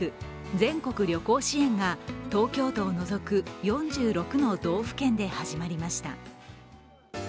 全国旅行支援が東京都を除く４６の道府県で始まりました。